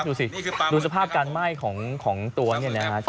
ดูสิดูสภาพการไหม้ของของตัวเนี้ยนะฮะไฟลุกท่วมเลยอ่ะคุณ